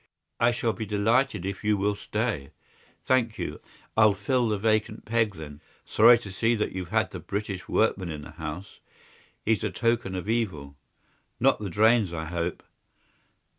"I shall be delighted if you will stay." "Thank you. I'll fill the vacant peg then. Sorry to see that you've had the British workman in the house. He's a token of evil. Not the drains, I hope?"